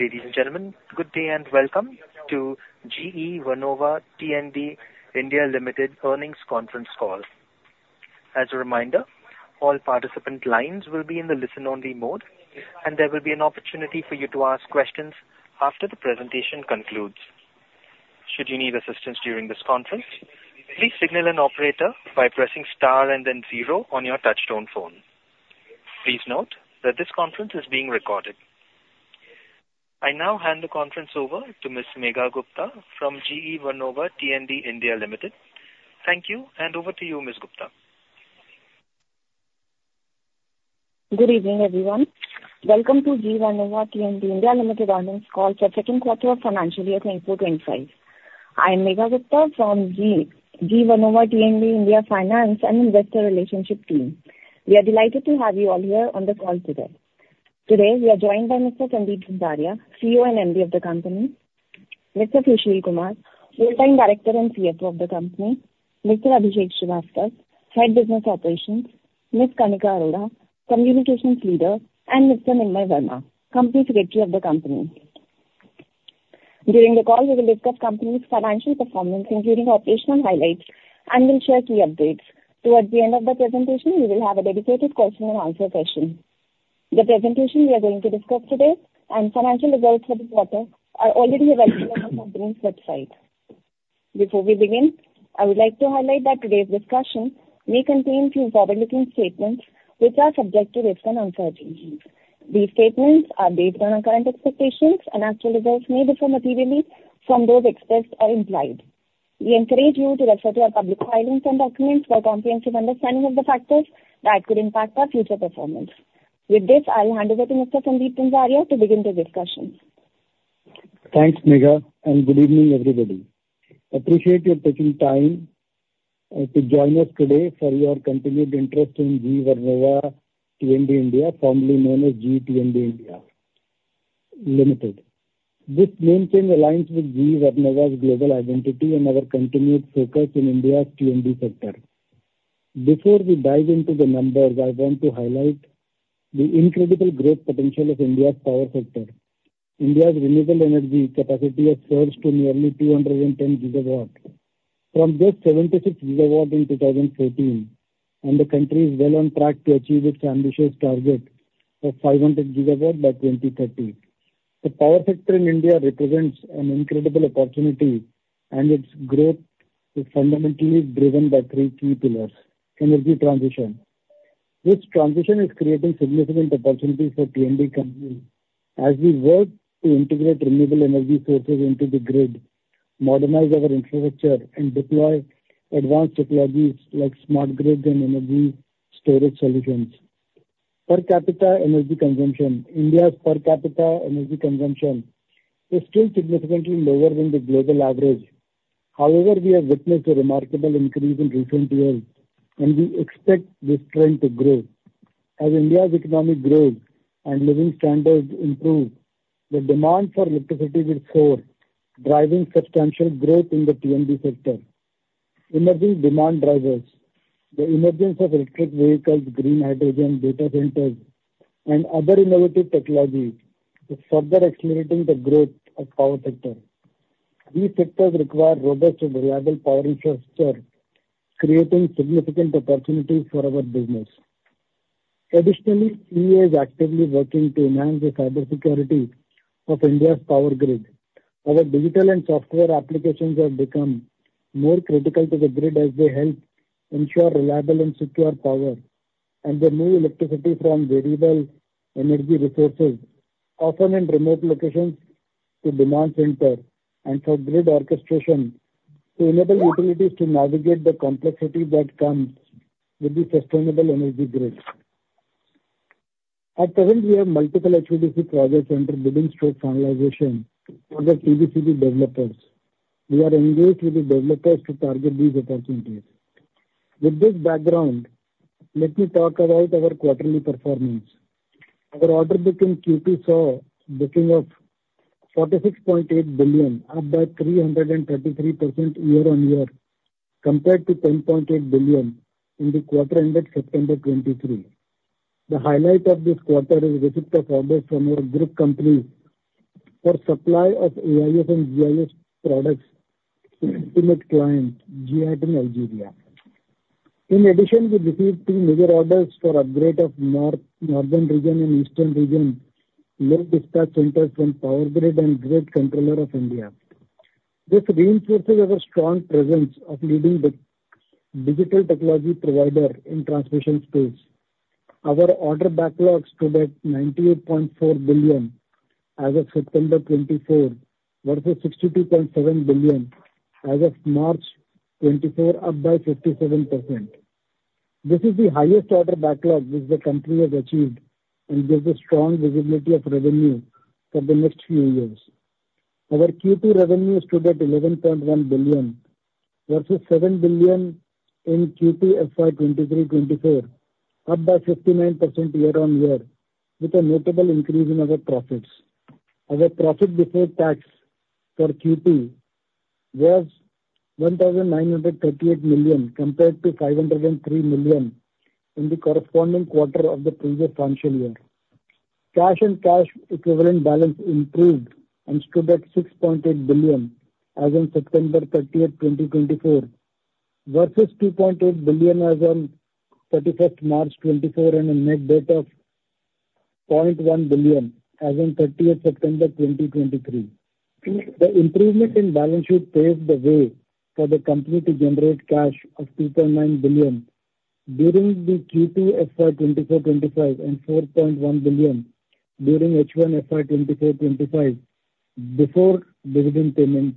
Ladies and gentlemen, good day and welcome to GE Vernova T&D India Limited earnings conference call. As a reminder, all participant lines will be in the listen-only mode, and there will be an opportunity for you to ask questions after the presentation concludes. Should you need assistance during this conference, please signal an operator by pressing star and then zero on your touch-tone phone. Please note that this conference is being recorded. I now hand the conference over to Ms. Megha Gupta from GE Vernova T&D India Limited. Thank you, and over to you, Ms. Gupta. Good evening, everyone. Welcome to GE Vernova T&D India Limited earnings call for the second quarter of financial year 2025. I am Megha Gupta from GE Vernova T&D India Finance and Investor Relationship team. We are delighted to have you all here on the call today. Today, we are joined by Mr. Sandeep Zanzaria, CEO and MD of the company; Mr. Sushil Kumar, full-time director and CFO of the company; Mr. Abhishek Srivastava, head business operations; Ms. Kanika Arora, communications leader; and Mr. Nirmal Verma, company secretary of the company. During the call, we will discuss the company's financial performance, including operational highlights, and we'll share key updates. Towards the end of the presentation, we will have a dedicated question-and-answer session. The presentation we are going to discuss today and financial results for the quarter are already available on the company's website. Before we begin, I would like to highlight that today's discussion may contain a few forward-looking statements which are subject to risk and uncertainty. These statements are based on our current expectations, and actual results may differ materially from those expressed or implied. We encourage you to refer to our public filings and documents for comprehensive understanding of the factors that could impact our future performance. With this, I'll hand over to Mr. Sandeep Zanzaria to begin the discussion. Thanks, Megha, and good evening, everybody. I appreciate your taking time to join us today for your continued interest in GE Vernova T&D India, formerly known as GE T&D India Limited. This name change aligns with GE Vernova's global identity and our continued focus in India's T&D sector. Before we dive into the numbers, I want to highlight the incredible growth potential of India's power sector. India's renewable energy capacity has surged to nearly 210 gigawatts. From just 76 gigawatts in 2014, the country is well on track to achieve its ambitious target of 500 gigawatts by 2030. The power sector in India represents an incredible opportunity, and its growth is fundamentally driven by three key pillars: energy transition. This transition is creating significant opportunities for T&D companies as we work to integrate renewable energy sources into the grid, modernize our infrastructure, and deploy advanced technologies like smart grids and energy storage solutions. Per capita energy consumption: India's per capita energy consumption is still significantly lower than the global average. However, we have witnessed a remarkable increase in recent years, and we expect this trend to grow. As India's economy grows and living standards improve, the demand for electricity will soar, driving substantial growth in the T&D sector. Emerging demand drivers: the emergence of electric vehicles, green hydrogen, data centers, and other innovative technologies is further accelerating the growth of the power sector. These sectors require robust and reliable power infrastructure, creating significant opportunities for our business. Additionally, EEA is actively working to enhance the cybersecurity of India's power grid. Our digital and software applications have become more critical to the grid as they help ensure reliable and secure power, and the new electricity from variable energy resources, often in remote locations, to demand centers and for grid orchestration to enable utilities to navigate the complexities that come with the sustainable energy grid. At present, we have multiple HVDC projects under bidding or finalization for the TBCB developers. We are engaged with the developers to target these opportunities. With this background, let me talk about our quarterly performance. Our order book in Q2 saw a booking of 46.8 billion, up by 333% year-on-year, compared to 10.8 billion in the quarter ended September 2023. The highlight of this quarter is the receipt of orders from our group companies for supply of AIS and GIS products to our esteemed client, GEAT in Algeria. In addition, we received two major orders for the upgrade of the northern region and eastern region load dispatch centers from Power Grid and Grid Controller of India. This reinforces our strong presence as a leading digital technology provider in the transmission space. Our order backlog stood at 98.4 billion as of September 24, versus 62.7 billion as of March 24, up by 57%. This is the highest order backlog which the company has achieved and gives a strong visibility of revenue for the next few years. Our Q2 revenue stood at 11.1 billion, versus 7 billion in Q2 FY 2023-24, up by 59% year-on-year, with a notable increase in our profits. Our profit before tax for Q2 was 1,938 million, compared to 503 million in the corresponding quarter of the previous financial year. Cash and cash equivalent balance improved and stood at 6.8 billion as of September 30, 2024, versus 2.8 billion as of 31st March 2024 and a net debt of 0.1 billion as of 30th September 2023. The improvement in balance sheet paved the way for the company to generate cash of 2.9 billion during the Q2 FY 24-25 and 4.1 billion during H1 FY 24-25 before dividend payment.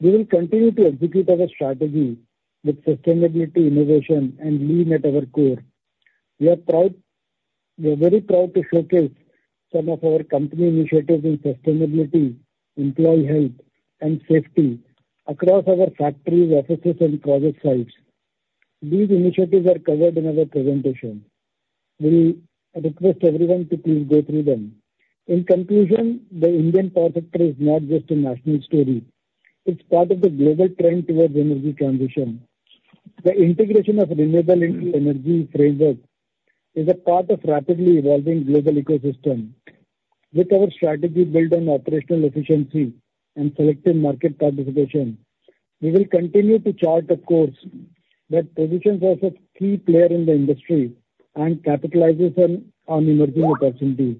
We will continue to execute our strategy with sustainability innovation and lean at our core. We are very proud to showcase some of our company initiatives in sustainability, employee health, and safety across our factories, offices, and project sites. These initiatives are covered in our presentation. We request everyone to please go through them. In conclusion, the Indian power sector is not just a national story. It's part of the global trend towards energy transition. The integration of renewable energy framework is a part of the rapidly evolving global ecosystem. With our strategy built on operational efficiency and selective market participation, we will continue to chart a course that positions us as a key player in the industry and capitalizes on emerging opportunities.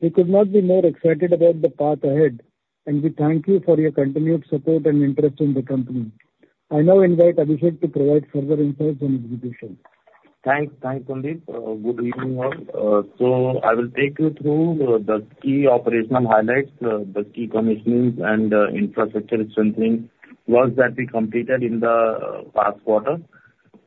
We could not be more excited about the path ahead, and we thank you for your continued support and interest in the company. I now invite Abhishek to provide further insights on execution. Thanks, Sandeep. Good evening all. So I will take you through the key operational highlights, the key commissionings, and infrastructure strengthening works that we completed in the past quarter.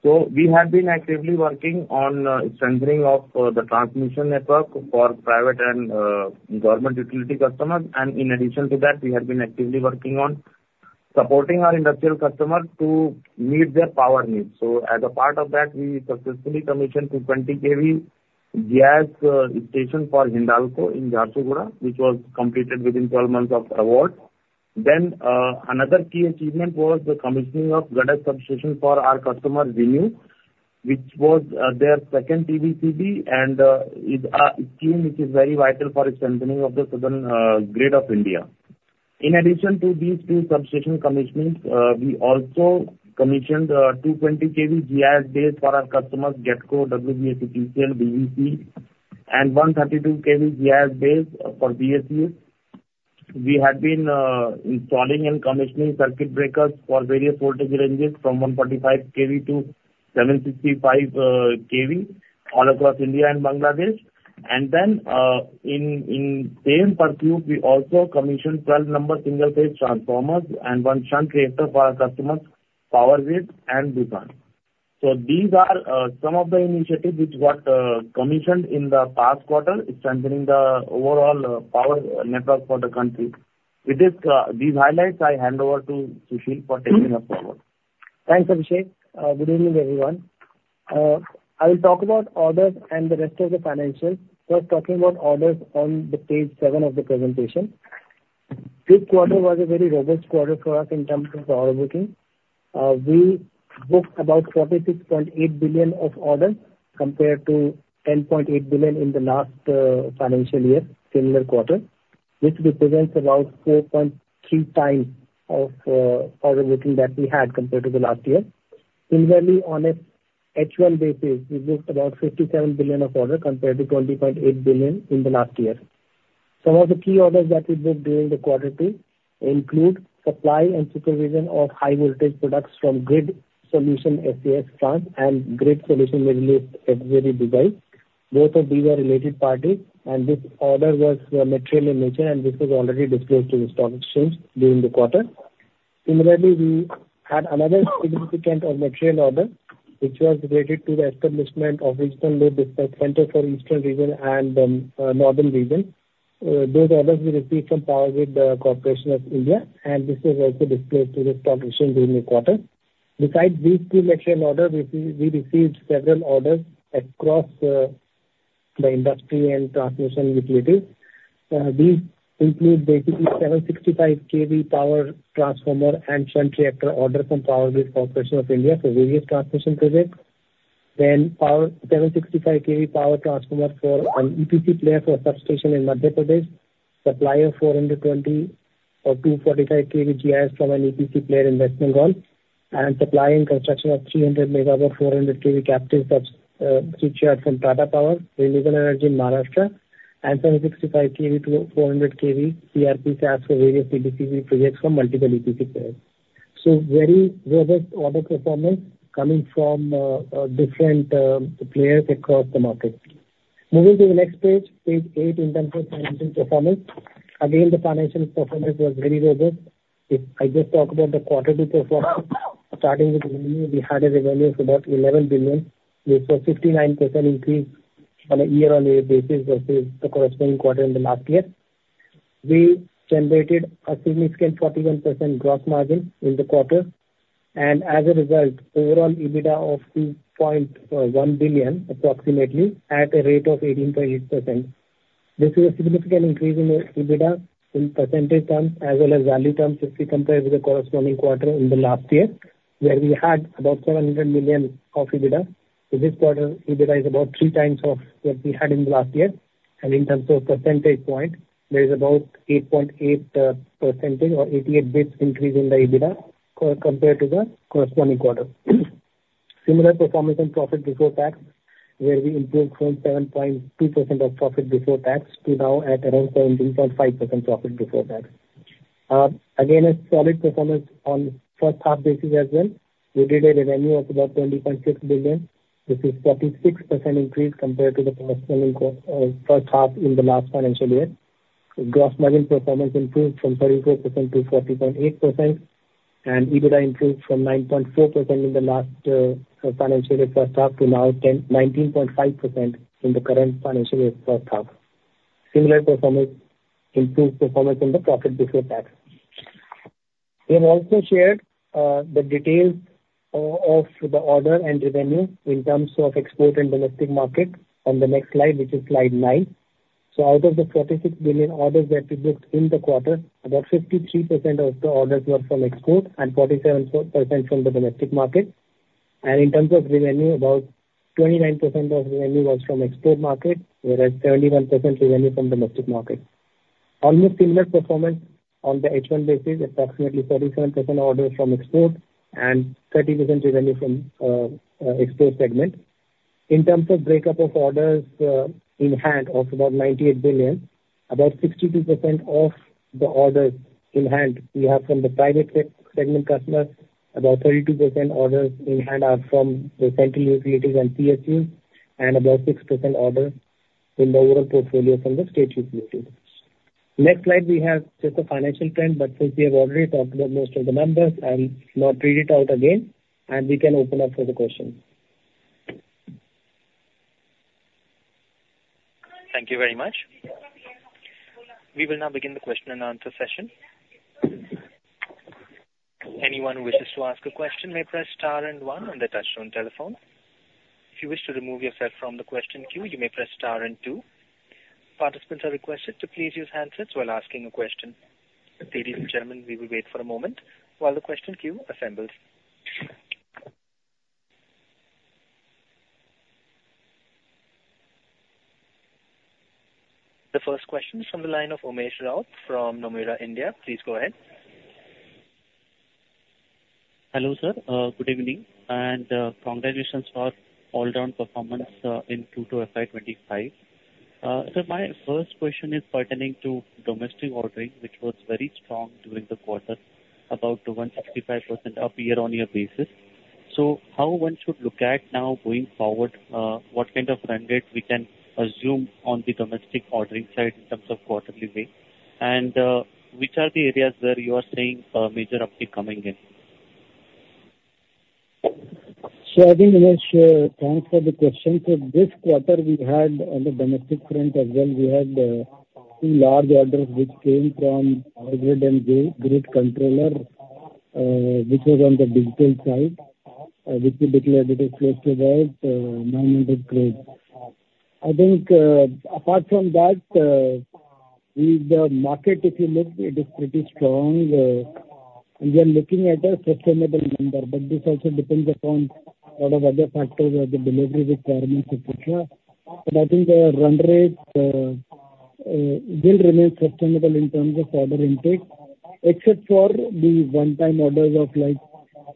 So we have been actively working on strengthening of the transmission network for private and government utility customers. And in addition to that, we have been actively working on supporting our industrial customers to meet their power needs. So as a part of that, we successfully commissioned the 220 kV gas substation for Hindalco in Jharsuguda, which was completed within 12 months of award. Then another key achievement was the commissioning of Gadag substation for our customer, ReNew, which was their second TBCB and a scheme which is very vital for strengthening of the southern grid of India. In addition to these two substation commissionings, we also commissioned 220 kV GIS bays for our customers, GETCO, WBSETCL, DVC, and 132 kV GIS bays for BSES. We had been installing and commissioning circuit breakers for various voltage ranges from 145 kV to 765 kV all across India and Bangladesh. And then in the same pursuit, we also commissioned 12 number single-phase transformers and one shunt reactor for our customers, Power Grid and Bhutan. So these are some of the initiatives which got commissioned in the past quarter, strengthening the overall power network for the country. With these highlights, I hand over to Sushil for taking us forward. Thanks, Abhishek. Good evening, everyone. I will talk about orders and the rest of the financials. First, talking about orders on the page seven of the presentation. This quarter was a very robust quarter for us in terms of order booking. We booked about 46.8 billion of orders compared to 10.8 billion in the last financial year, similar quarter, which represents about 4.3 times of order booking that we had compared to the last year. Similarly, on an H1 basis, we booked about 57 billion of orders compared to 20.8 billion in the last year. Some of the key orders that we booked during the quarter two include supply and supervision of high-voltage products from GE Grid Solutions SCS France and GE Grid Solutions Middle East FZE Dubai. Both of these are related parties, and this order was material in nature, and this was already disclosed to the stock exchange during the quarter. Similarly, we had another significant material order, which was related to the establishment of regional load dispatch centers for the eastern region and northern region. Those orders we received from Power Grid Corporation of India, and this was also disclosed to the stock exchange during the quarter. Besides these two material orders, we received several orders across the industry and transmission utilities. These include basically 765 kV power transformer and shunt reactor orders from Power Grid Corporation of India for various transmission projects. Then 765 kV power transformer for an EPC player for a substation in Madhya Pradesh, supply of 245 kV GIS from an EPC player in West Bengal, and supply and construction of 300-megawatt 400 kV captive switchyard from Tata Power Renewable Energy in Maharashtra, and 765 kV to 400 kV CRP SAS for various EPC projects from multiple EPC players. So very robust order performance coming from different players across the market. Moving to the next page, page eight in terms of financial performance. Again, the financial performance was very robust. If I just talk about the quarter two performance, starting with revenue, we had a revenue of about 11 billion, which was a 59% increase on a year-on-year basis versus the corresponding quarter in the last year. We generated a significant 41% gross margin in the quarter, and as a result, overall EBITDA of 2.1 billion approximately at a rate of 18.8%. This is a significant increase in EBITDA in percentage terms as well as value terms if we compare with the corresponding quarter in the last year, where we had about 700 million of EBITDA. So this quarter, EBITDA is about three times what we had in the last year. And in terms of percentage point, there is about 8.8% or 88 basis points increase in the EBITDA compared to the corresponding quarter. Similar performance on profit before tax, where we improved from 7.2% of profit before tax to now at around 17.5% profit before tax. Again, a solid performance on the first half basis as well. We did a revenue of about 20.6 billion, which is a 46% increase compared to the corresponding first half in the last financial year. Gross margin performance improved from 34% to 40.8%, and EBITDA improved from 9.4% in the last financial year first half to now 19.5% in the current financial year first half. Similar performance improved performance on the profit before tax. We have also shared the details of the order and revenue in terms of export and domestic market on the next slide, which is slide nine. So out of the 46 billion orders that we booked in the quarter, about 53% of the orders were from export and 47% from the domestic market. And in terms of revenue, about 29% of revenue was from export market, whereas 71% revenue from domestic market. Almost similar performance on the H1 basis, approximately 37% orders from export and 30% revenue from export segment. In terms of breakup of orders in hand of about 98 billion, about 62% of the orders in hand we have from the private segment customers, about 32% orders in hand are from the central utilities and PSUs, and about 6% orders in the overall portfolio from the state utilities. Next slide, we have just a financial trend, but since we have already talked about most of the numbers, I'll not read it out again, and we can open up for the questions. Thank you very much. We will now begin the question and answer session. Anyone who wishes to ask a question may press star and one on the touchscreen telephone. If you wish to remove yourself from the question queue, you may press star and two. Participants are requested to please use handsets while asking a question. Ladies and gentlemen, we will wait for a moment while the question queue assembles. The first question is from the line of Umesh Raut from Nomura India. Please go ahead. Hello, sir. Good evening and congratulations for all-around performance in Q2 FY 25. Sir, my first question is pertaining to domestic ordering, which was very strong during the quarter, about 165% up year-on-year basis. So how one should look at now going forward, what kind of run rate we can assume on the domestic ordering side in terms of quarterly rate, and which are the areas where you are seeing a major uptick coming in? So I think, Umesh, thanks for the question. So this quarter, we had on the domestic front as well, we had two large orders which came from Power Grid and Grid Controller, which was on the digital side, which we declared it as close to about INR 900 crores. I think apart from that, the market, if you look, it is pretty strong. We are looking at a sustainable number, but this also depends upon a lot of other factors like the delivery requirements, etc. But I think the run rate will remain sustainable in terms of order intake, except for the one-time orders of like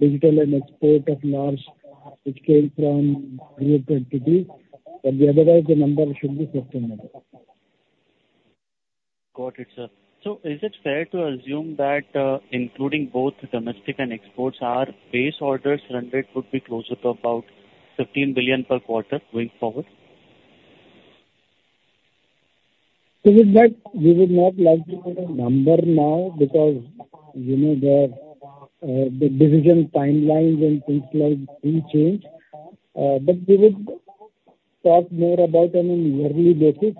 digital and export of large, which came from group entities. But otherwise, the number should be sustainable. Got it, sir. So is it fair to assume that including both domestic and exports, our base orders run rate would be closer to about 15 billion per quarter going forward? So with that, we would not like to put a number now because the decision timelines and things like these change. But we would talk more about it on a yearly basis.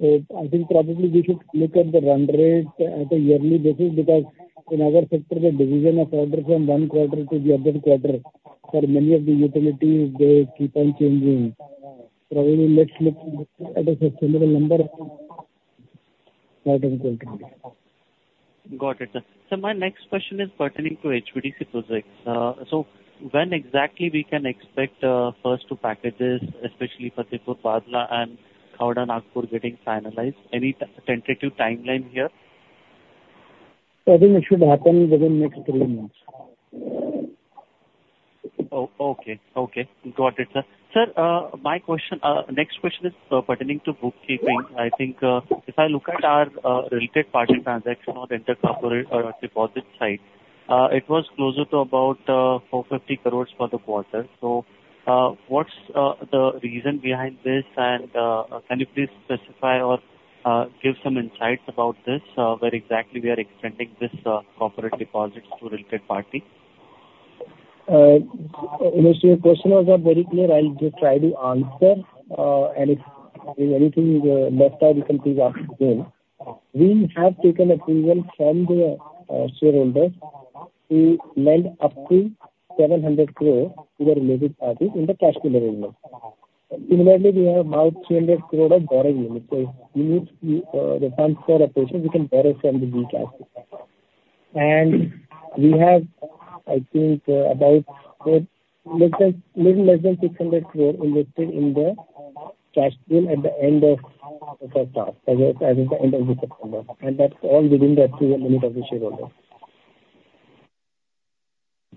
So I think probably we should look at the run rate at a yearly basis because in our sector, the division of orders from one quarter to the other quarter for many of the utilities, they keep on changing. Probably let's look at a sustainable number. Got it, sir. So my next question is pertaining to HVDC projects. So when exactly we can expect first to package this, especially for Tarapur Padgha and Khavda Nagpur getting finalized? Any tentative timeline here? I think it should happen within the next three months. Okay. Okay. Got it, sir. Sir, my next question is pertaining to bookkeeping. I think if I look at our related party transaction on the inter-corporate deposit side, it was closer to about 450 crores for the quarter. So what's the reason behind this, and can you please specify or give some insights about this, where exactly we are extending this corporate deposits to related party? Umesh, your question was not very clear. I'll just try to answer. And if there's anything left out, you can please ask again. We have taken approval from the shareholders who lent up to 700 crores to the related parties in the cash delivery limit. Similarly, we have about 300 crores of borrowing limit. So we need the funds for operation. We can borrow from the GE Grid Solutions SCS. And we have, I think, about a little less than 600 crores invested in the cash pool at the end of the first half, as of the end of September. And that's all within the actual limit of the shareholders.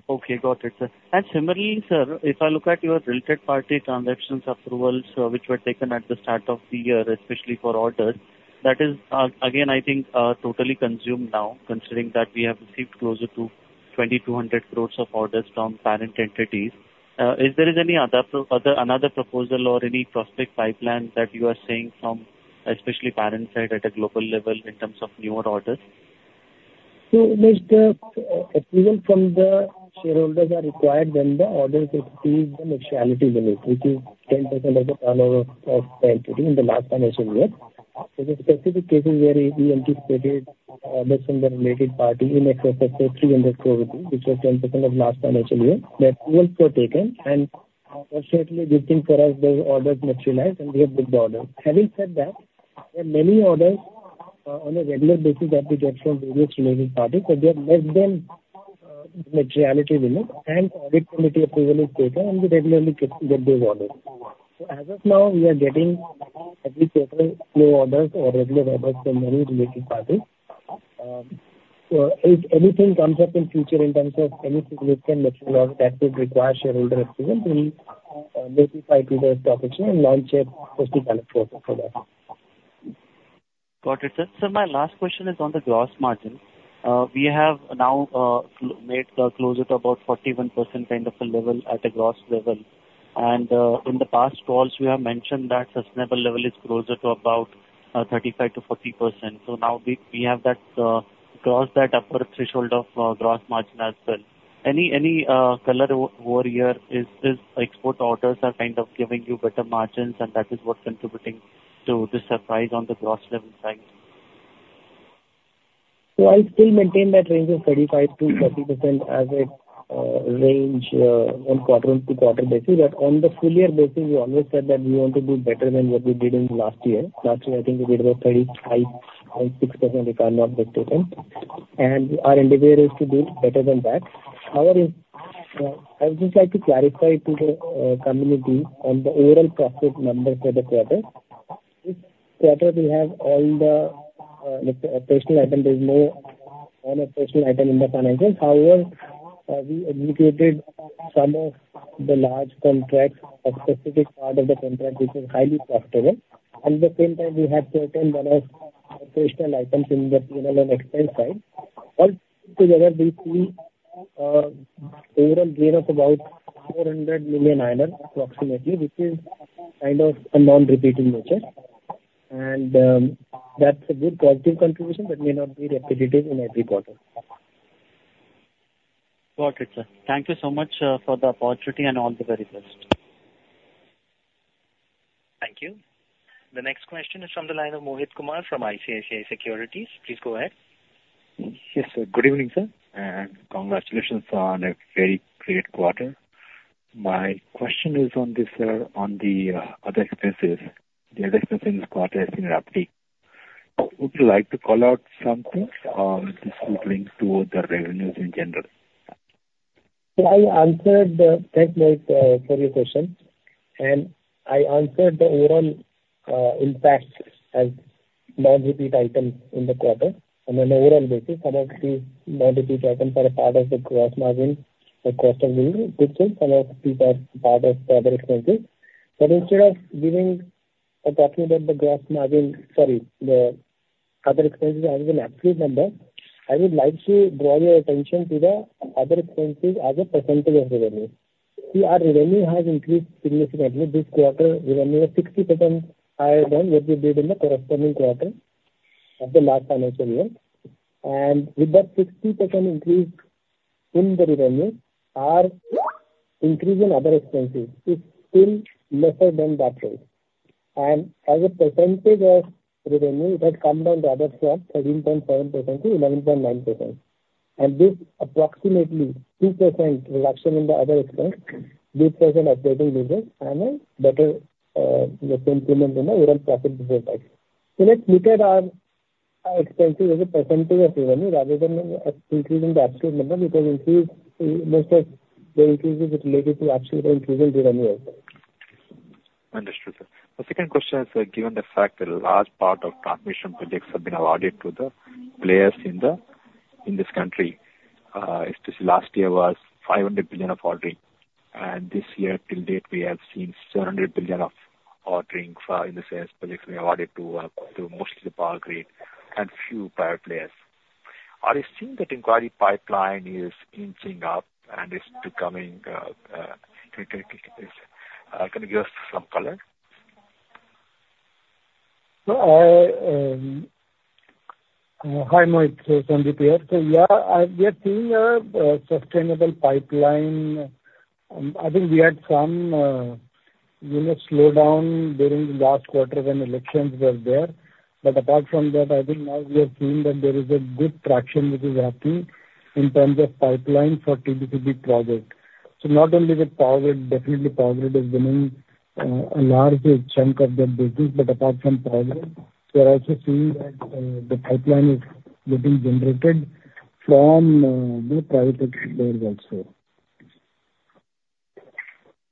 Okay. Got it, sir, and similarly, sir, if I look at your related party transactions approvals, which were taken at the start of the year, especially for orders, that is, again, I think totally consumed now, considering that we have received closer to 2,200 crores of orders from parent entities. Is there any other proposal or any prospect pipeline that you are seeing from especially parent side at a global level in terms of newer orders? Umesh, the approval from the shareholders are required when the orders exceed the materiality limit, which is 10% of the turnover of the entity in the last financial year. So the specific cases where we anticipated orders from the related party in excess of 300 crores rupees, which was 10% of last financial year, that approvals were taken. And fortunately, good thing for us, those orders materialized, and we have booked orders. Having said that, there are many orders on a regular basis that we get from various related parties, but they have less than the materiality limit, and audit committee approval is taken, and we regularly get those orders. So as of now, we are getting every quarter new orders or regular orders from many related parties. If anything comes up in future in terms of any significant materiality that would require shareholder approval, we will notify to the stock exchange and launch a posting analysis process for that. Got it, sir. So my last question is on the gross margin. We have now made closer to about 41% kind of a level at a gross level. And in the past calls, we have mentioned that sustainable level is closer to about 35%-40%. So now we have crossed that upper threshold of gross margin as well. Any color over here is export orders are kind of giving you better margins, and that is what's contributing to the surprise on the gross level side. I still maintain that range of 35%-40% as a range on quarter-to-quarter basis. But on the full year basis, we always said that we want to do better than what we did in last year. Last year, I think we did about 35.6% return on the statement. And our endeavor is to do better than that. However, I would just like to clarify to the community on the overall profit number for the quarter. This quarter, we have all the operational items. There is no one-off operational item in the financials. However, we executed some of the large contracts, a specific part of the contract, which was highly profitable. At the same time, we had certain one-off operational items in the P&L and expense side. Altogether, we see overall gain of about 400 million approximately, which is kind of a non-recurring nature. That's a good positive contribution, but may not be repetitive in every quarter. Got it, sir. Thank you so much for the opportunity and all the very best. Thank you. The next question is from the line of Mohit Kumar from ICICI Securities. Please go ahead. Yes, sir. Good evening, sir, and congratulations on a very great quarter. My question is on this, sir, on the other expenses. The other expenses in this quarter have been an uptick. Would you like to call out some things or this would link to the revenues in general? I answered the tenor of your question. I answered the overall impact as non-recurring items in the quarter. On an overall basis, some of these non-recurring items are a part of the gross margin or cost of goods. Some of these are part of the other expenses. Instead of talking about the gross margin, sorry, the other expenses as an absolute number, I would like to draw your attention to the other expenses as a percentage of revenue. See, our revenue has increased significantly this quarter. Revenue is 60% higher than what we did in the corresponding quarter of the last financial year. With that 60% increase in the revenue, our increase in other expenses is still lesser than that rate. As a percentage of revenue, it had come down rather from 13.7% to 11.9%. This approximately 2% reduction in the other expense, due to an operating business and a better implementation in the overall profit before tax. Let's look at our expenses as a percentage of revenue rather than increasing the absolute number because most of the increase is related to absolute increase in revenue also. Understood, sir. The second question is, given the fact that a large part of transmission projects have been awarded to the players in this country, last year was 500 billion of ordering. And this year, till date, we have seen 700 billion of ordering in the transmission projects being awarded to mostly the power grid and few private players. Are you seeing that inquiry pipeline is inching up and is becoming—can you give us some color? Hi, Mohit. So yeah, we are seeing a sustainable pipeline. I think we had some slowdown during the last quarter when elections were there. But apart from that, I think now we have seen that there is a good traction which is happening in terms of pipeline for TBCB projects. So not only with Power Grid, definitely Power Grid is winning a large chunk of the business. But apart from Power Grid, we are also seeing that the pipeline is getting generated from private players also.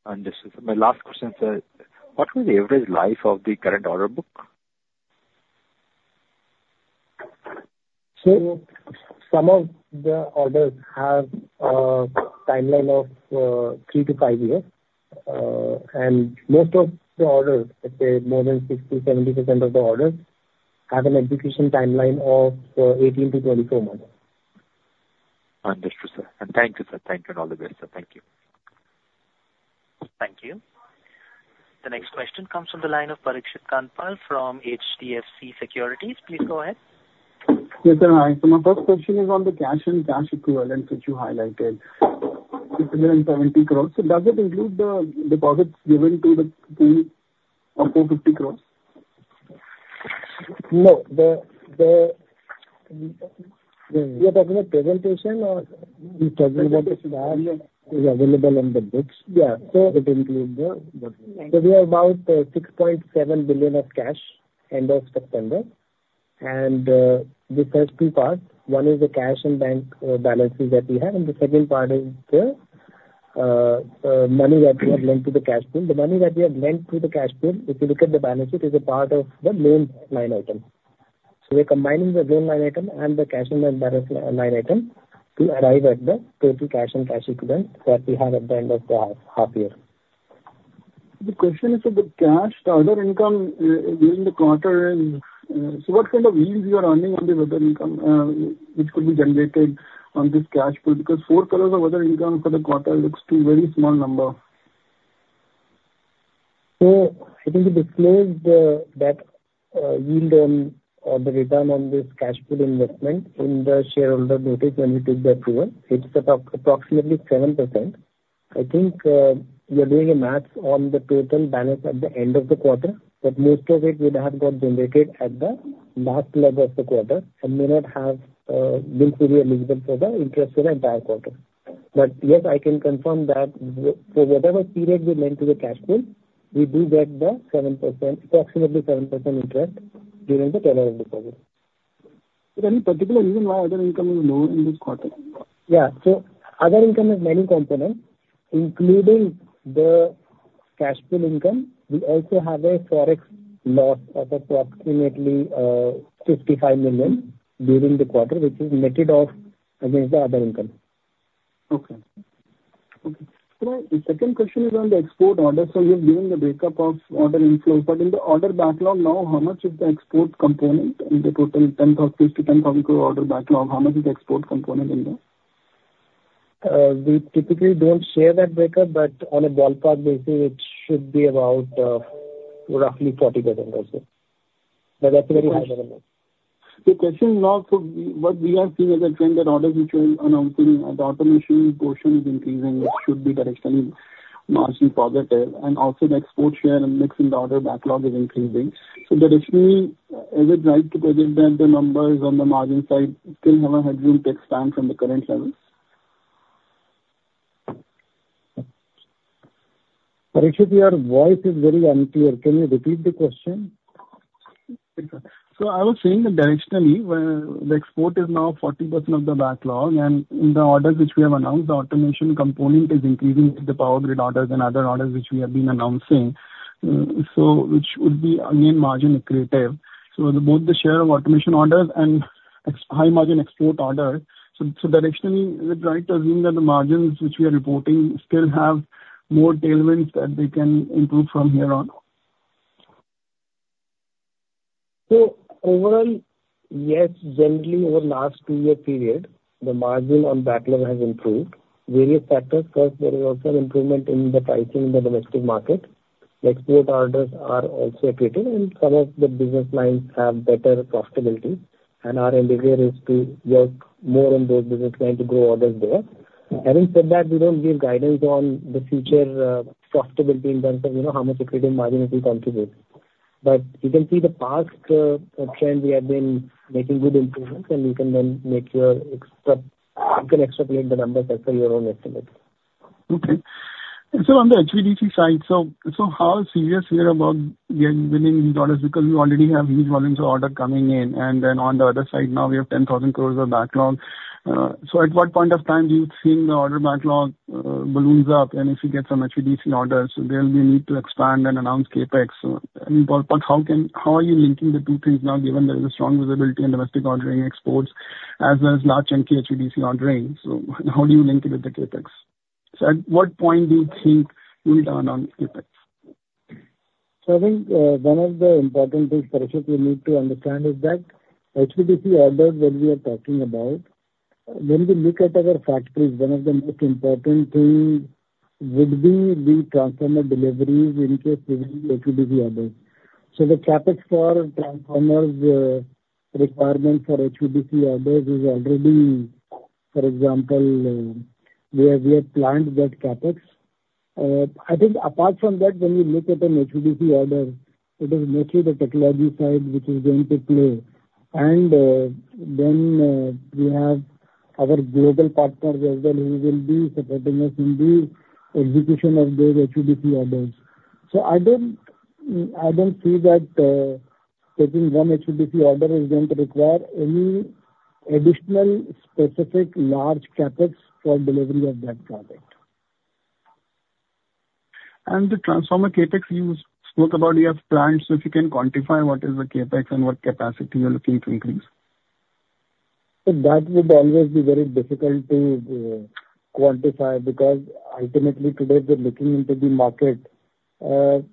Understood, sir. My last question is, what will be the average life of the current order book? So some of the orders have a timeline of three to five years. And most of the orders, let's say more than 60%-70% of the orders, have an execution timeline of 18 to 24 months. Understood, sir. And thank you, sir. Thank you and all the best, sir. Thank you. Thank you. The next question comes from the line of Parikshit Kandpal from HDFC Securities. Please go ahead. Yes, sir. Hi. So my first question is on the cash and cash equivalents which you highlighted. It's 170 crores. So does it include the deposits given to the tune of 450 crores? No. Are we talking about the presentation or you're talking about the slide that's available in the books? Yeah. So it includes the—so we have about 6.7 billion of cash end of September. And this has two parts. One is the cash and bank balances that we have. And the second part is the money that we have lent to the cash pool. The money that we have lent to the cash pool, if you look at the balance sheet, is a part of the main line item. We are combining the main line item and the cash and bank balance line item to arrive at the total cash and cash equivalent that we have at the end of the half year. The question is for the cash, the other income during the quarter is, so what kind of yields you are earning on this other income which could be generated on this cash pool? Because 4 crores of other income for the quarter looks too very small number. So I think we disclosed that yield on the return on this cash pool investment in the shareholder notice when we took the approval. It's approximately 7%. I think you're doing a math on the total balance at the end of the quarter, but most of it would have got generated at the last level of the quarter and may not have been fully eligible for the interest for the entire quarter. But yes, I can confirm that for whatever period we lent to the cash pool, we do get the approximately 7% interest during the turnover deposit. Is there any particular reason why other income is low in this quarter? Yeah. So other income has many components, including the cash pool income. We also have a forex loss of approximately 55 million during the quarter, which is netted off against the other income. Okay. So my second question is on the export orders. So you've given the breakup of order inflow. But in the order backlog now, how much is the export component in the total 10,000-10,000 crore order backlog? How much is the export component in there? We typically don't share that breakup, but on a ballpark basis, it should be about roughly 40% also. But that's a very high level. The question is now, so what we are seeing is a trend that orders which are announcing that the automation portion is increasing, which should be directionally margin positive. And also the export share and mix in the order backlog is increasing. So directionally, is it right to predict that the numbers on the margin side still have a headroom to expand from the current levels? Parikshit, your voice is very unclear. Can you repeat the question? So, I was saying that directionally, the export is now 40% of the backlog. And in the orders which we have announced, the automation component is increasing with the Power Grid orders and other orders which we have been announcing, which would be again margin creative. So both the share of automation orders and high margin export orders. So directionally, is it right to assume that the margins which we are reporting still have more tailwinds that they can improve from here on? Overall, yes, generally over the last two-year period, the margin on backlog has improved. Various factors. First, there is also an improvement in the pricing in the domestic market. The export orders are also accretive, and some of the business lines have better profitability. And our endeavor is to work more on those business lines to grow orders there. Having said that, we don't give guidance on the future profitability in terms of how much accretive margin it will contribute. But you can see the past trend, we have been making good improvements, and you can then make sure you can extrapolate the numbers as per your own estimates. Okay. And so on the HVDC side, so how serious you are about winning these orders because we already have huge volumes of orders coming in? And then on the other side, now we have 10,000 crores of backlog. So at what point of time do you think the order backlog balloons up? And if you get some HVDC orders, there will be a need to expand and announce CapEx. But how are you linking the two things now, given there is a strong visibility in domestic ordering exports as well as large-chunk HVDC ordering? So how do you link it with the CapEx? So at what point do you think you will turn on CapEx? So I think one of the important things, Parikshit, we need to understand is that HVDC orders, when we are talking about, when we look at other factors, one of the most important things would be the transformer deliveries in case we need HVDC orders. So the CapEx for transformer requirements for HVDC orders is already, for example, where we have planned that CapEx. I think apart from that, when we look at an HVDC order, it is mostly the technology side which is going to play. And then we have our global partners as well who will be supporting us in the execution of those HVDC orders. So I don't see that taking one HVDC order is going to require any additional specific large CapEx for delivery of that product. The transformer CapEx you spoke about, you have planned. If you can quantify what is the CapEx and what capacity you're looking to increase? That would always be very difficult to quantify because ultimately, today, if you're looking into the market, the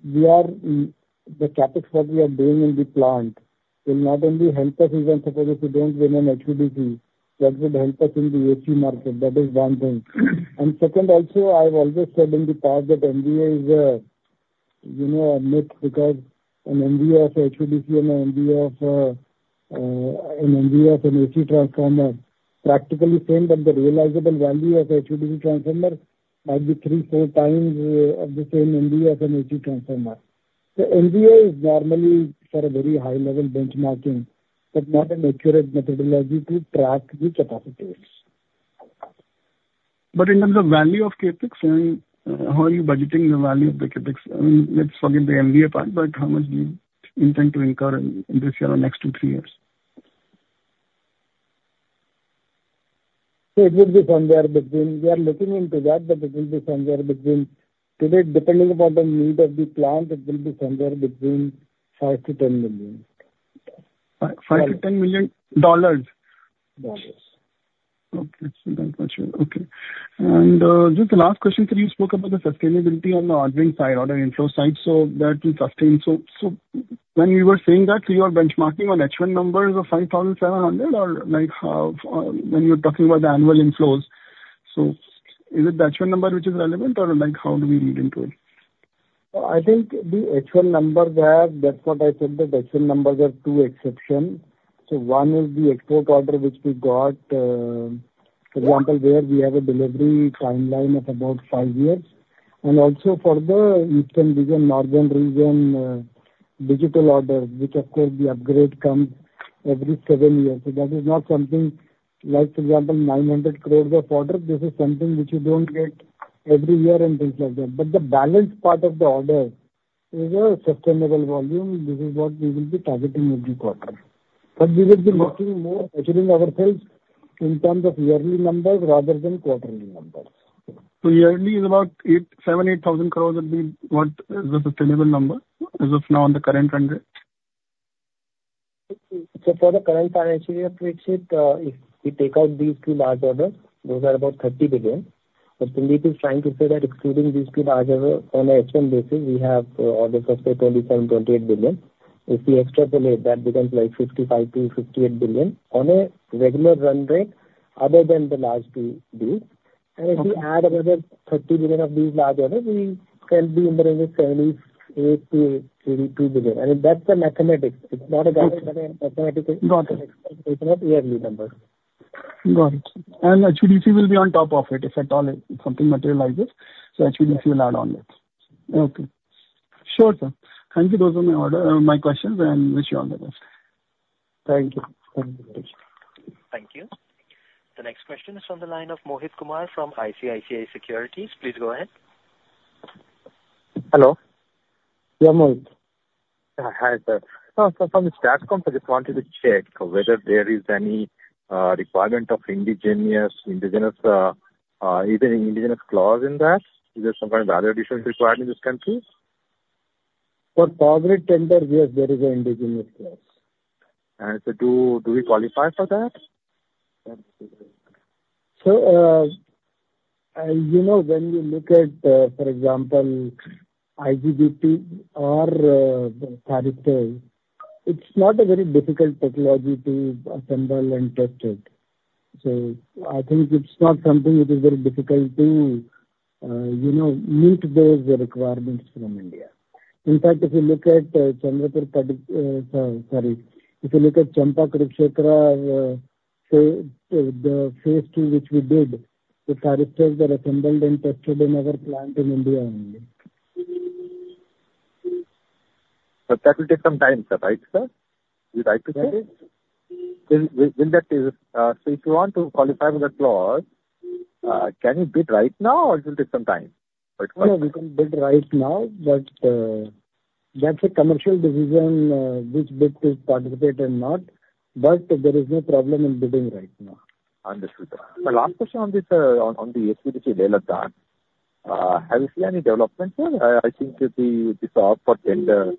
CapEx what we are doing in the plant will not only help us in terms of if we don't win an HVDC, that would help us in the AC market. That is one thing. And second, also, I've always said in the past that MVA is a myth because an MVA of HVDC and an MVA of an AC transformer are practically the same, but the realizable value of HVDC transformer might be three, four times of the same MVA as an AC transformer. The MVA is normally for a very high-level benchmarking, but not an accurate methodology to track the capacities. But in terms of value of CapEx, how are you budgeting the value of the CapEx? I mean, let's forget the MVA part, but how much do you intend to incur in this year or next two to three years? So it will be somewhere between. We are looking into that, but it will be somewhere between 5-10 million. $5 million-$10 million. Dollars. Okay. So that's for sure. Okay. And just the last question, so you spoke about the sustainability on the ordering side, order inflow side, so that will sustain. So when you were saying that, so you are benchmarking on H1 numbers of 5,700 or when you're talking about the annual inflows? So is it the H1 number which is relevant, or how do we read into it? I think the H1 numbers have. That's what I said, that H1 numbers have two exceptions. So one is the export order which we got, for example, where we have a delivery timeline of about five years. And also for the eastern region, northern region, digital orders, which of course the upgrade comes every seven years. So that is not something like, for example, 900 crores of orders. This is something which you don't get every year and things like that. But the balance part of the order is a sustainable volume. This is what we will be targeting every quarter. But we will be looking more measuring ourselves in terms of yearly numbers rather than quarterly numbers. Yearly is about 7-8 thousand crores would be what is the sustainable number as of now on the current run rate? For the current financial year, Parikshit, if we take out these two large orders, those are about 30 billion. But the need is trying to say that excluding these two large orders, on an H1 basis, we have orders of 27-28 billion. If we extrapolate, that becomes like 55-58 billion on a regular run rate other than the large two deals. And if we add another 30 billion of these large orders, we can be in the range of 78-82 billion. And that's the mathematics. It's not a guidance, but a mathematical expectation of yearly numbers. Got it. And HVDC will be on top of it if at all something materializes. So HVDC will add on that. Okay. Sure, sir. Thank you. Those are my questions, and wish you all the best. Thank you. Thank you, Parikshit. Thank you. The next question is from the line of Mohit Kumar from ICICI Securities. Please go ahead. Hello. Yeah, Mohit. Hi, sir. From the stats comp, I just wanted to check whether there is any requirement of indigenous clause in that? Is there some kind of other additional requirement in this country? For Power Grid tender, yes, there is an indigenous clause. And so do we qualify for that? So when you look at, for example, IGBT or CARICO, it's not a very difficult technology to assemble and test it. So I think it's not something which is very difficult to meet those requirements from India. In fact, if you look at Champa, sorry, if you look at Champa, Kurukshetra, the phase two which we did, the CARICOs were assembled and tested in our plant in India only. But that will take some time, sir, right, sir? Would you like to say? Will that take? So if you want to qualify for that clause, can you bid right now, or it will take some time? No, we can bid right now, but that's a commercial decision which bid to participate or not. But there is no problem in bidding right now. Understood. My last question on the HVDC layout plan, have you seen any development, sir? I think this offer tender,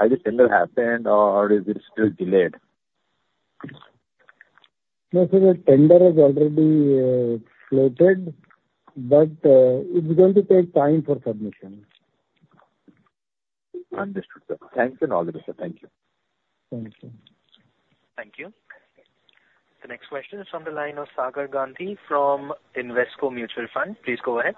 has the tender happened, or is it still delayed? No, sir, the tender has already floated, but it's going to take time for submission. Understood, sir. Thank you and all the best, sir. Thank you. Thank you. Thank you. The next question is from the line of Sagar Gandhi from Invesco Mutual Fund. Please go ahead.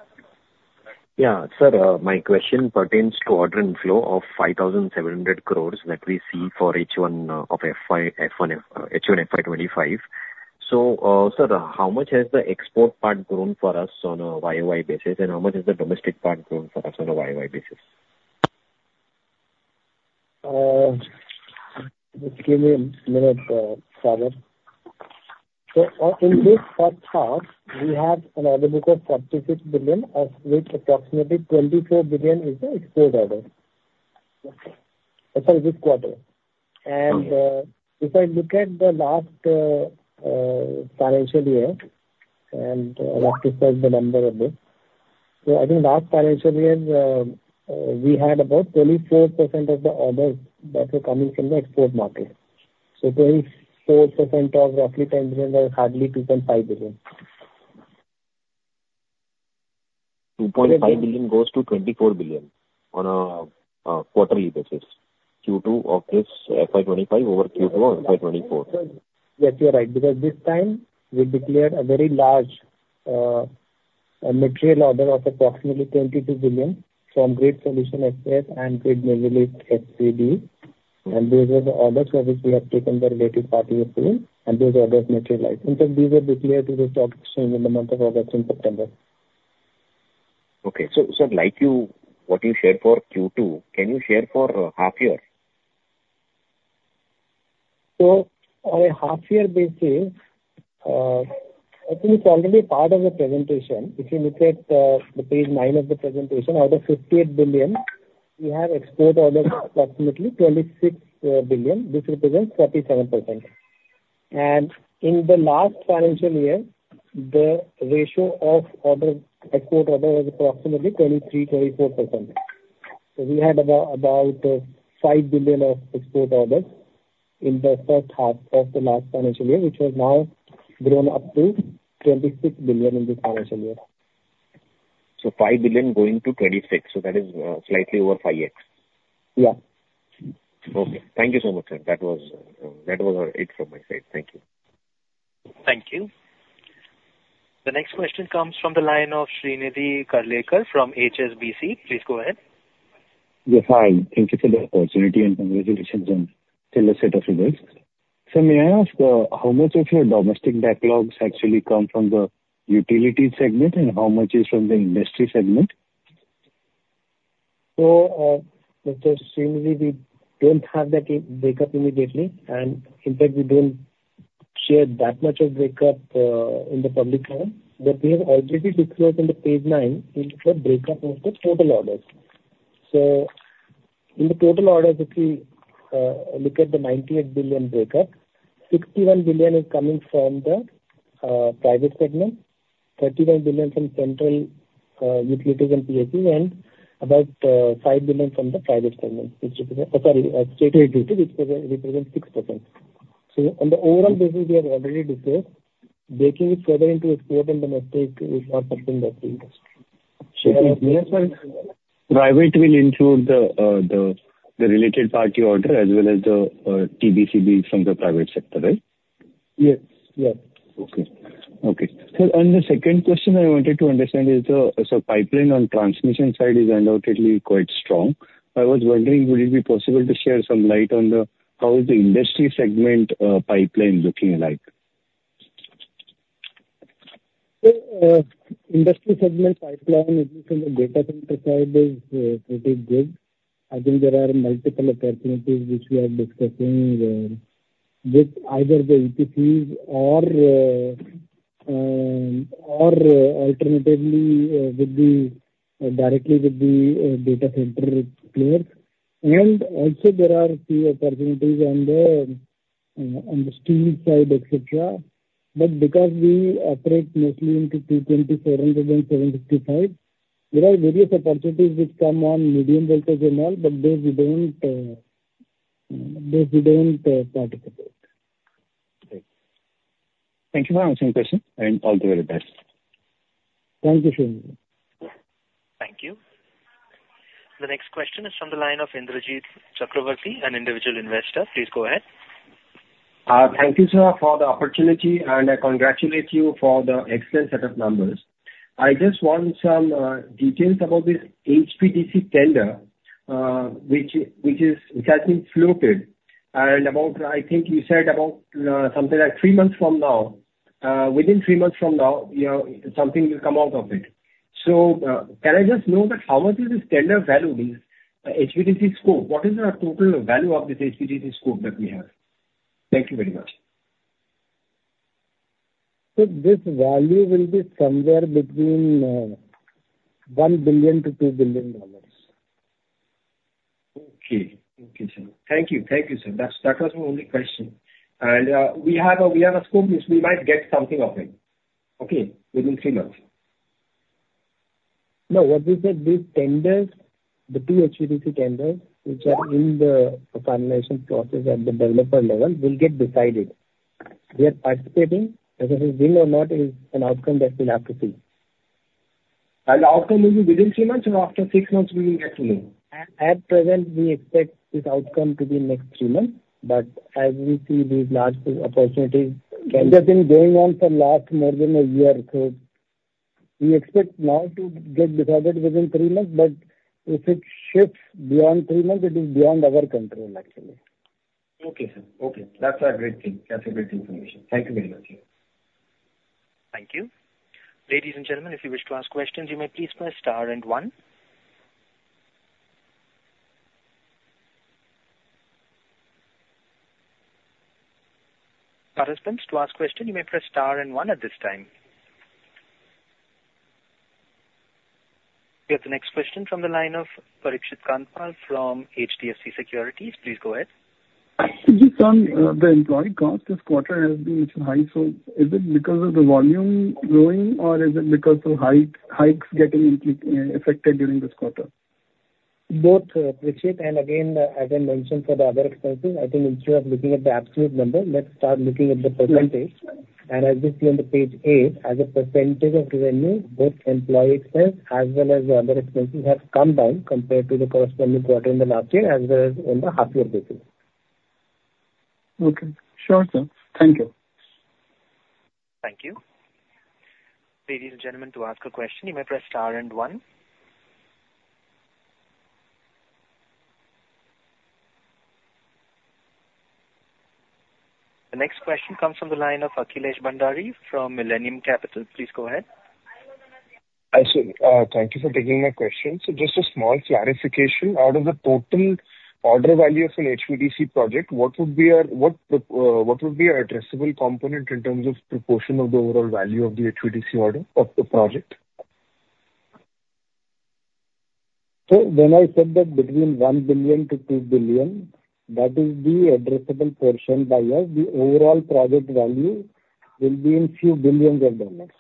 Yeah, sir, my question pertains to order inflow of 5,700 crores that we see for H1 FY25. So, sir, how much has the export part grown for us on a YoY basis, and how much has the domestic part grown for us on a YoY basis? Just give me a minute, Sagar. So in this first half, we have an order book of 46 billion, of which approximately 24 billion is the export order. Sorry, this quarter. And if I look at the last financial year, and I have to cite the number of this, so I think last financial year, we had about 24% of the orders that were coming from the export market. So 24% of roughly 10 billion was hardly 2.5 billion. $2.5 billion goes to $24 billion on a quarterly basis due to this FY25 over Q2 or FY24? Yes, you're right. Because this time, we declared a very large material order of approximately 22 billion from Grid Solutions SCS and Grid Solutions Middle East FZE. And those are the orders for which we have taken the related party approval, and those orders materialized. And so these are declared to the stock exchange in the month of August and September. Okay. So sir, like what you shared for Q2, can you share for half year? On a half-year basis, I think it's already part of the presentation. If you look at the page nine of the presentation, out of 58 billion, we have export orders approximately 26 billion. This represents 47%. In the last financial year, the ratio of export orders was approximately 23-24%. We had about 5 billion of export orders in the first half of the last financial year, which has now grown up to 26 billion in this financial year. 5 billion going to 26 billion. That is slightly over 5X. Yeah. Okay. Thank you so much, sir. That was it from my side. Thank you. Thank you. The next question comes from the line of Shrinidhi Karlekar from HSBC. Please go ahead. Yes, hi. Thank you for the opportunity and congratulations on still a set of results. Sir, may I ask how much of your domestic backlogs actually come from the utility segment, and how much is from the industry segment? So with the Srinidhi, we don't have that breakup immediately. And in fact, we don't share that much of breakup in the public account. But we have already declared in the page 9 for breakup of the total orders. So in the total orders, if you look at the 98 billion breakup, 61 billion is coming from the private segment, 31 billion from central utilities and PACs, and about 5 billion from the private segment, which represents sorry, state utilities, which represents 6%. So on the overall basis, we have already declared. Breaking it further into export and domestic is not something that we just. Yes, sir. Private will include the related party order as well as the TBCB from the private sector, right? Yes. Yes. Okay. Sir, and the second question I wanted to understand is, so pipeline on transmission side is undoubtedly quite strong. I was wondering, would it be possible to shed some light on how the industry segment pipeline is looking like? Industry segment pipeline from the data center side is pretty good. I think there are multiple opportunities which we are discussing with either the EPCs or alternatively directly with the data center players. There are a few opportunities on the steam side, etc. Because we operate mostly into 220, 400, and 765, there are various opportunities which come on medium voltage and all, but those we don't participate. Thank you for answering the question. I mean, all the very best. Thank you, Srinidhi. Thank you. The next question is from the line of Indrajit Chakravarti, an individual investor. Please go ahead. Thank you, sir, for the opportunity, and I congratulate you for the excellent set of numbers. I just want some details about this HVDC tender, which has been floated. I think you said about something like three months from now, within three months from now, something will come out of it. Can I just know that how much is this tender value, this HVDC scope? What is the total value of this HVDC scope that we have? Thank you very much. This value will be somewhere between $1 billion-$2 billion. Okay, sir. Thank you, sir. That was my only question. And we have a scope which we might get something of it, okay, within three months. No, what we said, these tenders, the two HVDC tenders, which are in the finalization process at the developer level, will get decided. We are participating. Whether we win or not is an outcome that we'll have to see. The outcome will be within three months, or after six months we will get to know? At present, we expect this outcome to be next three months. But as we see these large opportunities. And this has been going on for the last more than a year. So we expect now to get decided within three months, but if it shifts beyond three months, it is beyond our control, actually. Okay, sir. Okay. That's a great thing. That's a great information. Thank you very much. Thank you. Ladies and gentlemen, if you wish to ask questions, you may please press star and one. Participants, to ask questions, you may press star and one at this time. We have the next question from the line of Parikshit Kandpal from HDFC Securities. Please go ahead. Parikshit, sir, the employee cost this quarter has been high. So is it because of the volume growing, or is it because of hikes getting affected during this quarter? Both, Parikshit, and again, as I mentioned for the other expenses, I think instead of looking at the absolute number, let's start looking at the percentage, and as you see on the page eight, as a percentage of revenue, both employee expense as well as the other expenses have come down compared to the corresponding quarter in the last year as well as on the half-year basis. Okay. Sure, sir. Thank you. Thank you. Ladies and gentlemen, to ask a question, you may press star and one. The next question comes from the line of Akhilesh Bhandari from Millennium Capital. Please go ahead. Thank you for taking my question. So just a small clarification. Out of the total order value of an HVDC project, what would be an addressable component in terms of proportion of the overall value of the HVDC project? When I said that between $1 billion-$2 billion, that is the addressable portion by us. The overall project value will be in a few billion dollars.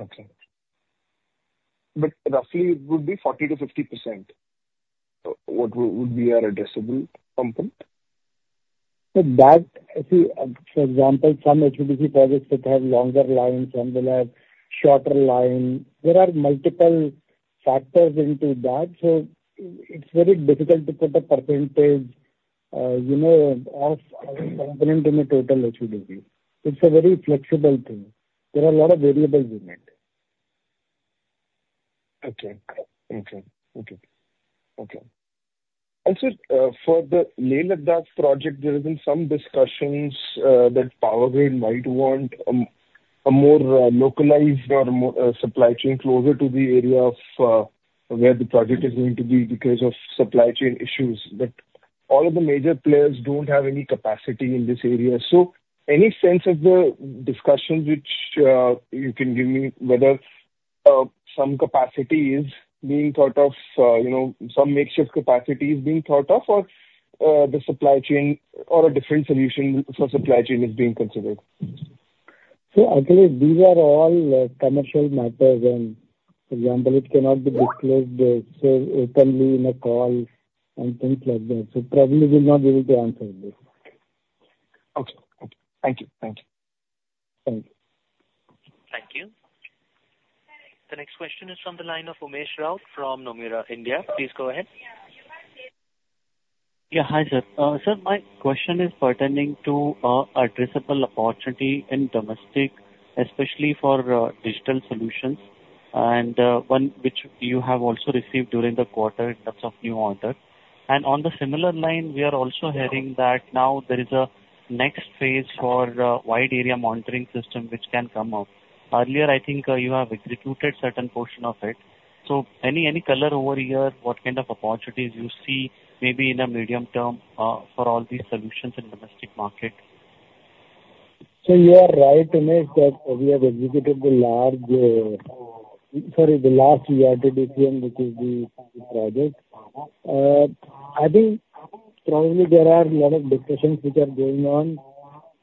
Okay, but roughly, it would be 40%-50%. What would be our addressable component? So that, for example, some HVDC projects would have longer lines, some will have shorter lines. There are multiple factors into that. So it's very difficult to put a percentage of a component in a total HVDC. It's a very flexible thing. There are a lot of variables in it. Okay. And sir, for the Leh-Ladakh project, there have been some discussions that Power Grid might want a more localized or supply chain closer to the area of where the project is going to be because of supply chain issues. But all of the major players don't have any capacity in this area. So any sense of the discussions which you can give me, whether some capacity is being thought of, some makeshift capacity is being thought of, or the supply chain or a different solution for supply chain is being considered? So actually, these are all commercial matters. And for example, it cannot be disclosed so openly in a call and things like that. So probably we're not able to answer this. Okay. Okay. Thank you. Thank you. Thank you. Thank you. The next question is from the line of Umesh Raut from Nomura India. Please go ahead. Yeah. Hi, sir. Sir, my question is pertaining to addressable opportunity in domestic, especially for digital solutions, and one which you have also received during the quarter in terms of new order. And on the similar line, we are also hearing that now there is a next phase for Wide Area Monitoring System which can come up. Earlier, I think you have executed a certain portion of it. So any color over here, what kind of opportunities you see maybe in a medium term for all these solutions in the domestic market? So you are right, Umesh, that we have executed the last, sorry, the last URTDSM, which is the project. I think probably there are a lot of discussions which are going on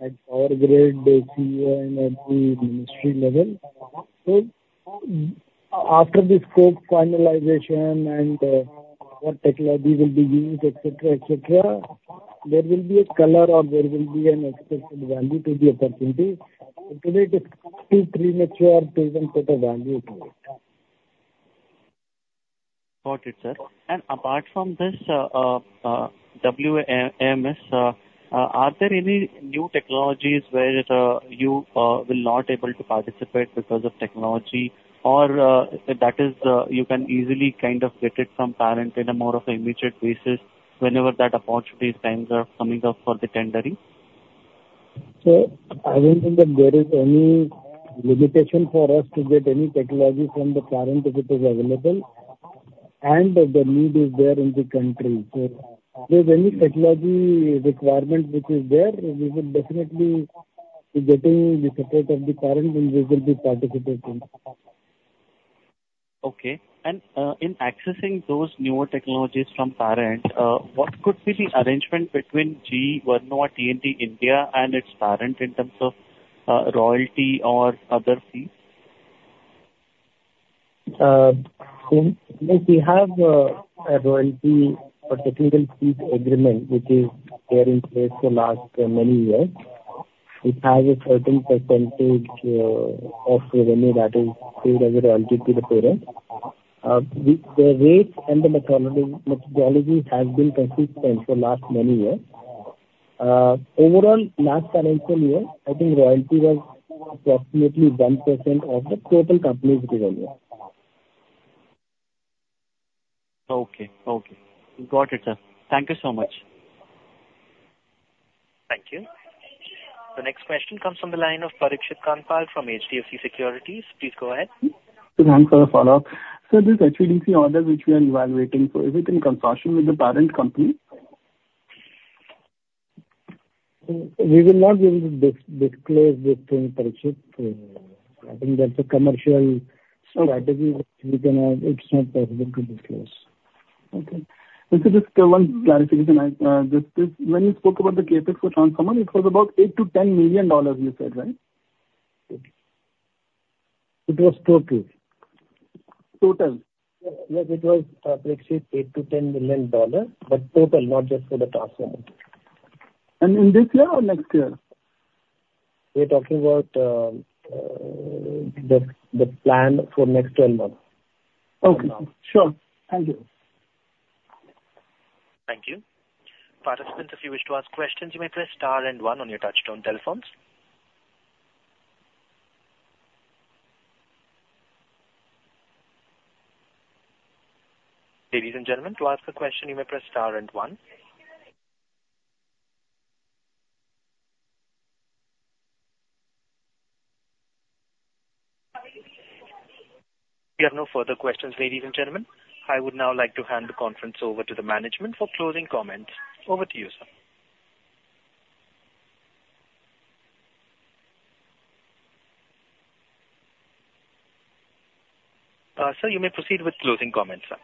at Power Grid, DAIC, and at the ministry level. So after the scope finalization and what technology will be used, etc., etc., there will be a call for or there will be an expected value to the opportunity. So today, it is too premature to even put a value to it. Got it, sir. And apart from this, WAMS, are there any new technologies where you will not be able to participate because of technology, or that is, you can easily kind of get it from parent in a more of an immediate basis whenever that opportunity is coming up for the tendering? I don't think that there is any limitation for us to get any technology from the parent if it is available, and the need is there in the country. So if there is any technology requirement which is there, we would definitely be getting the support of the parent, and we will be participating. Okay. And in accessing those newer technologies from parent, what could be the arrangement between GE Vernova T&D India and its parent in terms of royalty or other fees? So we have a royalty or technical fees agreement which is here in place for the last many years. It has a certain percentage of revenue that is paid as a royalty to the parent. The rates and the methodology have been consistent for the last many years. Overall, last financial year, I think royalty was approximately 1% of the total company's revenue. Okay. Okay. Got it, sir. Thank you so much. Thank you. The next question comes from the line of Parikshit Kandpal from HDFC Securities. Please go ahead. Thanks for the follow-up. This HVDC order which we are evaluating, so is it in consortium with the parent company? We will not be able to disclose this to Parikshit. I think that's a commercial strategy which we can have. It's not possible to disclose. Okay. And so just one clarification. When you spoke about the CapEx for transformers, it was about $8 million-$10 million, you said, right? It was total. Total? Yes. It was, Parikshit, $8 million-$10 million, but total, not just for the transformers. In this year or next year? We're talking about the plan for next 12 months. Okay. Sure. Thank you. Thank you. Participants, if you wish to ask questions, you may press star and one on your touch-tone telephones. Ladies and gentlemen, to ask a question, you may press star and one. We have no further questions, ladies and gentlemen. I would now like to hand the conference over to the management for closing comments. Over to you, sir. Sir, you may proceed with closing comments, sir.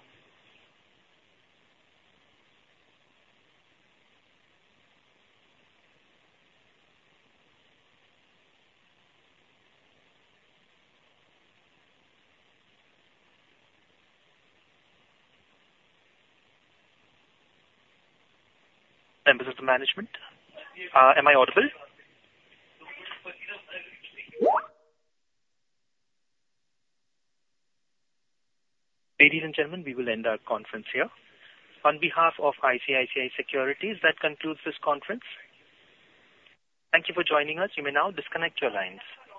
Members of the management, am I audible? Ladies and gentlemen, we will end our conference here. On behalf of ICICI Securities, that concludes this conference. Thank you for joining us. You may now disconnect your lines.